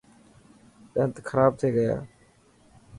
ڏنت خراب ٿي گيا.